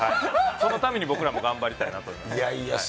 そのために僕らも頑張りたいなと思います。